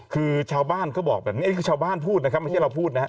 คือชาวบ้านเขาบอกแบบนี้คือชาวบ้านพูดนะครับไม่ใช่เราพูดนะฮะ